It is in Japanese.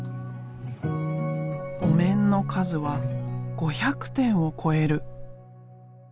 お面の数は５００点を超える。